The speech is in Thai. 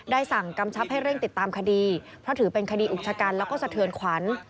สั่งกำชับให้เร่งติดตามคดีเพราะถือเป็นคดีอุกชะกันแล้วก็สะเทือนขวัญ